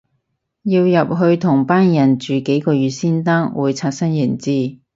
要入去同班人住幾個月先得，會刷新認知